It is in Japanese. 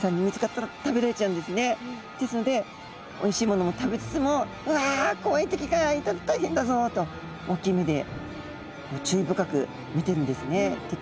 ですのでおいしいものも食べつつも「うわ怖い敵がいたら大変だぞ！」と大きい目で注意深く見てるんですね敵も。